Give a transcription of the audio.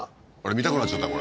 見たくなっちゃった？